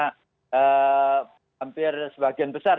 hampir sebagian besar